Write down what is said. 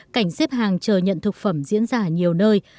cảnh xếp hàng chờ nhận thực phẩm diễn ra ở nhiều nơi